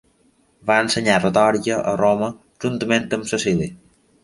Va ensenyar retòrica a Roma juntament amb Cecili.